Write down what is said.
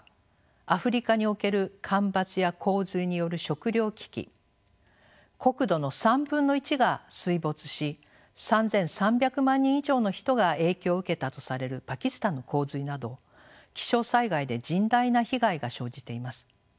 アフリカにおける干ばつや洪水による食料危機国土の３分の１が水没し３，３００万人以上の人が影響を受けたとされるパキスタンの洪水など気象災害で甚大な被害が生じています。